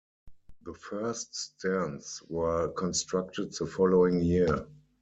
The first stands were constructed the following year.